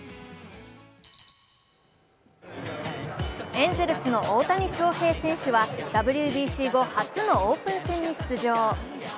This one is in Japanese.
エンゼルスの大谷翔平選手はＷＢＣ後初のオープン戦に出場。